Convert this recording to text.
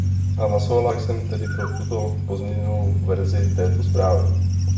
Hlasovala jsem tedy pro tuto pozměněnou verzi této zprávy.